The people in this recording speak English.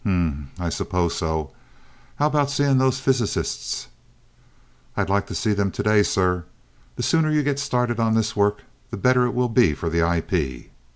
"Hmmm I suppose so. How about seeing those physicists?" "I'd like to see them today, sir. The sooner you get started on this work, the better it will be for the IP."